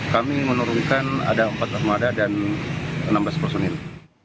kami menurunkan ada empat armada dan enam belas personil